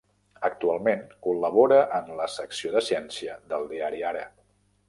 Actualment col·labora en la secció de ciència del diari Ara.